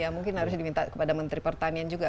ya mungkin harus diminta kepada menteri pertanian juga